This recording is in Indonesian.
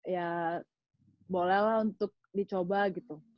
ya bolehlah untuk dicoba gitu